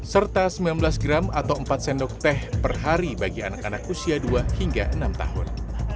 serta sembilan belas gram atau empat sendok teh per hari bagi anak anak usia dua hingga enam tahun